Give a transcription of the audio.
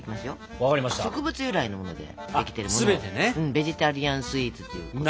ベジタリアンスイーツっていうことで。